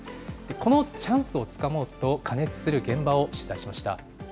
このチャンスをつかもうと、過熱する現場を取材しました。